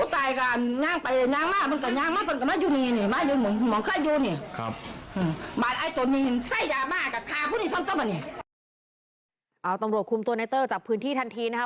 ตำรวจคุมตัวในเต้อจับพื้นที่ทันทีนะครับ